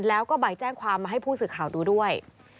แล้วก็ใบแจ้งความมาให้ผู้สื่อข่าวดูด้วย